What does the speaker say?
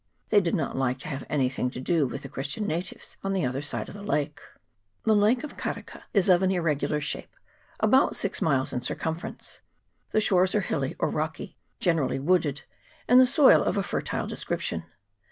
They did not like to have any thing to do with the Christian natives on the other side of the lake. The lake of Kareka is of an irre gular shape, about six miles in circumference ; the shores are hilly or rocky, generally wooded, and the soil of a fertile description.